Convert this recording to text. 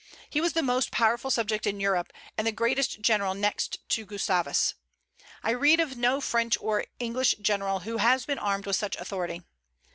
He was the most powerful subject in Europe, and the greatest general next to Gustavus. I read of no French or English general who has been armed with such authority.